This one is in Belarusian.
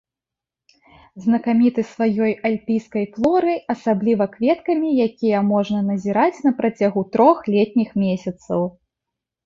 Знакаміты сваёй альпійскай флорай, асабліва кветкамі, якія можна назіраць на працягу трох летніх месяцаў.